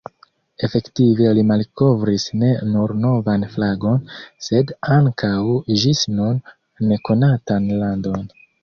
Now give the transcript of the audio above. Efektive li malkovris ne nur novan flagon, sed ankaŭ ĝis nun nekonatan landon.